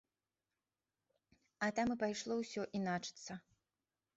А там і пайшло ўсё іначыцца.